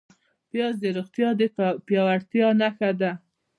پیاز د روغتیا د پیاوړتیا نښه ده